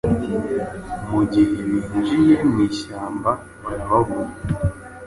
mugihe binjiye mwishyamba barababura